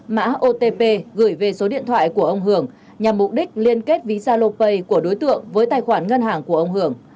mã otp gửi về số điện thoại của ông hường nhằm mục đích liên kết visa lô pay của đối tượng với tài khoản ngân hàng của ông hường